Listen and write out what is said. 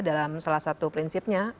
dalam salah satu prinsipnya